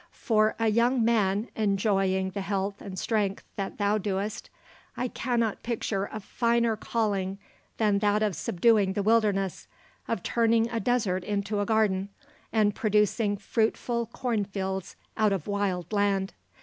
"For a young man enjoying the health and strength that thou doest, I cannot picture a finer calling than that of subduing the wilderness, of turning a desert into a garden, and producing fruitful corn fields out of wild land.